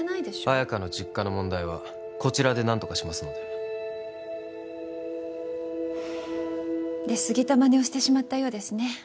綾華の実家の問題はこちらで何とかしますので出過ぎたまねをしてしまったようですね